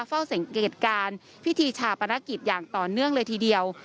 เฝ้าสังเกตการณ์พิธีชาปนกิจอย่างต่อเนื่องเลยทีเดียว